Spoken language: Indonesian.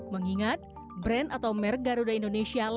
mengingat brand atau merk garuda indonesia lebih terkenal